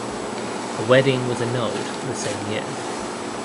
The wedding was annulled the same year.